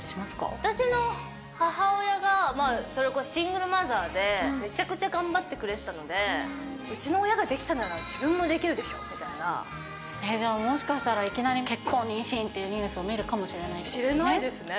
私の母親が、それこそシングルマザーで、めちゃくちゃ頑張ってくれてたので、うちの親ができたなら、じゃあ、もしかしたら、いきなり結婚、妊娠っていうニュースを見るかもしれないですね。